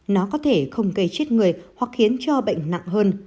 nó có thể không gây chết người hoặc khiến cho bệnh nặng hơn